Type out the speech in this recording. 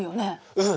うん。